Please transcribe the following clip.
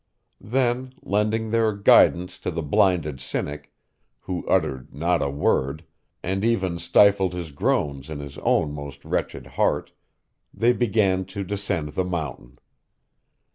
Then, lending their guidance to the blinded Cynic, who uttered not a word, and even stifled his groans in his own most wretched heart, they began to descend the mountain.